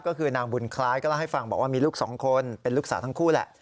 ก็คือนางบุญคล้ายก็เล่าให้ฟังบอกว่ามีลูกสองคนเป็นลูกสาวทั้งคู่แหละ